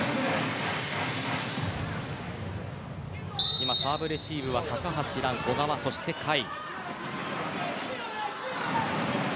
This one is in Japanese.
今は、サーブレシーブは高橋藍小川、そして甲斐。